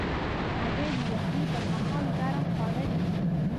هګۍ د یخنۍ پر مهال ګرم خواړه دي.